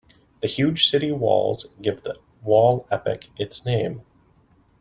The huge city walls gave the wall epoch its name.